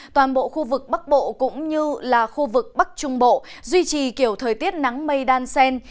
toàn bộ khu vực bắc bộ cũng như là khu vực bắc trung bộ duy trì kiểu thời tiết nắng mây đan sen